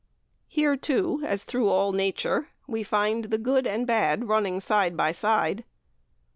Here, too, as through all Nature, we find the good and bad running side by side.